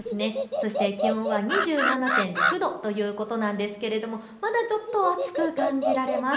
そして気温は２７．６度ということなんですけれどまだちょっと暑く感じられます。